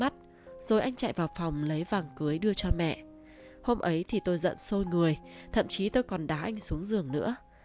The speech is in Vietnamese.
rồi anh chạy vào phòng lấy vàng cưới đưa cho mẹ hôm ấy thì tôi giận sôi người thậm chí tôi còn đá anh xuống giường nữa